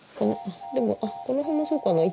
でもこの辺もそうかな。